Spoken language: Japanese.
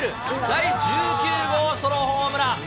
第１９号ソロホームラン。